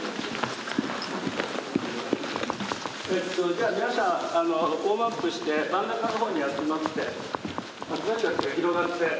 じゃあ皆さんウォームアップして真ん中の方に集まって広がって。